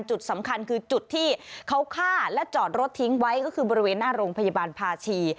จุดสำคัญคือจุดที่เขาฆ่าและจอดรถทิ้งไว้ก็คือบริเวณหน้าโรงพยาบาลภาชี